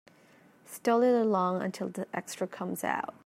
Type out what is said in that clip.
Stall it along until the extra comes out.